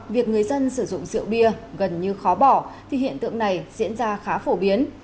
việc người dân sử dụng rượu bia gần như khó bỏ thì hiện tượng này diễn ra khá phổ biến